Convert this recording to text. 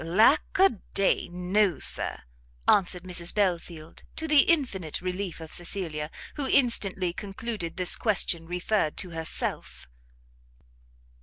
"Lack a day, no, Sir!" answered Mrs Belfield, to the infinite relief of Cecilia, who instantly concluded this question referred to herself.